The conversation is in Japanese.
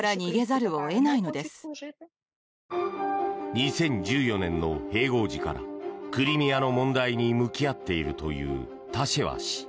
２０１４年の併合時からクリミアの問題に向き合っているというタシェワ氏。